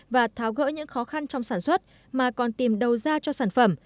và tháo gỡ những khó khăn trong sản xuất mà còn tìm đầu ra cho sản phẩm